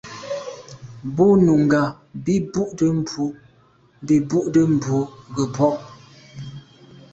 Bú nùngà bì bú’də́ mbrú bì bú’də́ mbrú gə̀ mbrɔ́k.